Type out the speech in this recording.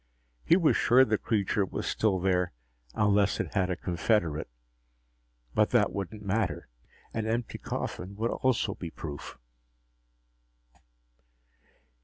He was sure the creature was still there, unless it had a confederate. But that wouldn't matter. An empty coffin would also be proof.